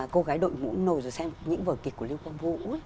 cô gái đội ngũ nổi rồi xem những vờ kịch của lưu quang vũ